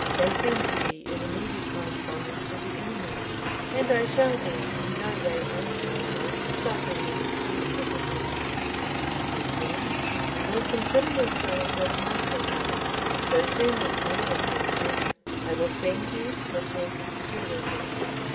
They seem to be in immediate correspondence with the enemy, and I shall be in no respect answerable for suffering them to be at liberty. Gentlemen, you will consider yourselves as my prisoners. So soon as dawn approaches, I will send you to a place of security.